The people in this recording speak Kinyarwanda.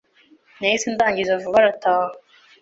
nahise ndangiza vuba arataha.